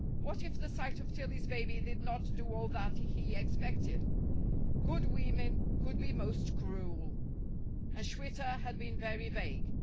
What if the sight of Tillie's baby did not do all that he expected? Good women could be most cruel. And Schwitter had been very vague.